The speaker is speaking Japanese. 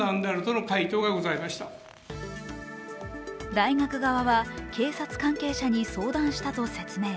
大学側は、警察関係者に相談したと説明。